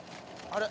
あれ？